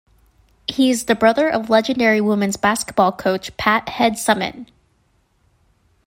He is the brother of legendary women's basketball coach Pat Head Summitt.